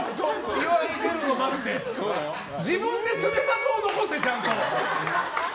自分で爪痕を残せ、ちゃんと。